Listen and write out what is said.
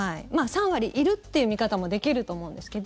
３割いるっていう見方もできると思うんですけど。